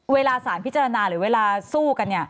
เวลาสารพิจารณาหรือเวลาสู้กัน